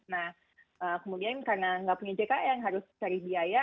nah kemudian karena nggak punya jkn harus cari biaya